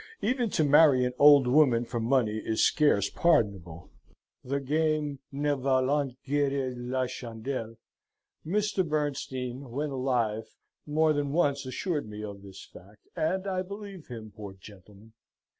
Even to marry an old woman for money is scarce pardonable the game ne valant gueres la chandelle Mr. Bernstein, when alive, more than once assured me of this fact, and I believe him, poor gentleman!